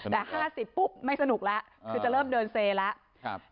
แต่๕๐ปุ๊บไม่สนุกแล้วคือจะเริ่มเดินเซแล้ว